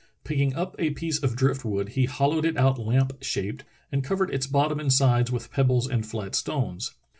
Picking up a piece of drift wood, he hollowed it out lamp shaped, and covered its bottom and sides with pebbles and flat stones.